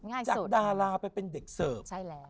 ง่ายสุดใช่แล้ว